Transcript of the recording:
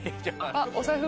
あっお財布。